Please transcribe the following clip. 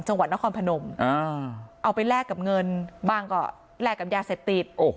จังหวัดนครพนมเอาไปแลกกับเงินบ้างก็แลกกับยาเสพติด